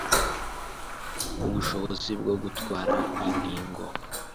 ubushobozi bwo gutwara inkingo